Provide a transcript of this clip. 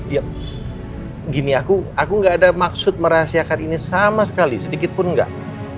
ya gini aku aku gak ada maksud merahasiakan ini sama sekali sedikit pun enggak